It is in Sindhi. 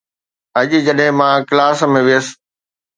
اڄ جڏهن مان ڪلاس ۾ ويس